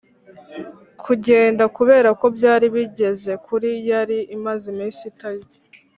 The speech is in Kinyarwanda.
kugenda kubera ko byari bigeze kuri, yari imaze iminsi itarya.